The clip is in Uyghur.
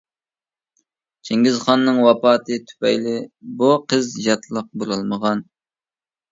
چىڭگىزخاننىڭ ۋاپاتى تۈپەيلى بۇ قىز ياتلىق بولالمىغان.